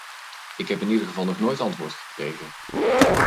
Ik heb in ieder geval nog nooit antwoord gekregen.